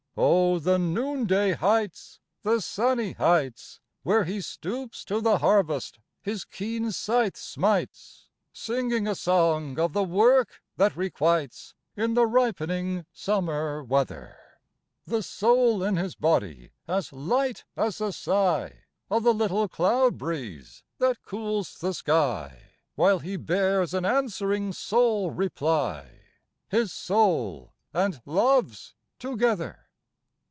II. Oh, the noonday heights, the sunny heights, Where he stoops to the harvest his keen scythe smites, Singing a song of the work that requites, In the ripening summer weather; The soul in his body as light as the sigh Of the little cloud breeze that cools the sky, While he bears an answering soul reply, His soul and love's together.